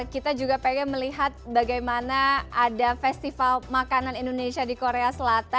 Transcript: kita juga pengen melihat bagaimana ada festival makanan indonesia di korea selatan